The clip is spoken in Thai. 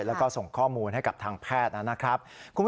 แล้วก็ส่งข้อมูลให้กับทางแพทย์นะครับ